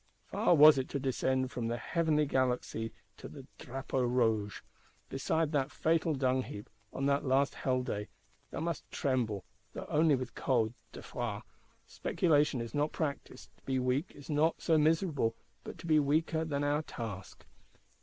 Far was it to descend from the heavenly Galaxy to the Drapeau Rouge: beside that fatal dung heap, on that last hell day, thou must "tremble," though only with cold, "de froid." Speculation is not practice: to be weak is not so miserable; but to be weaker than our task.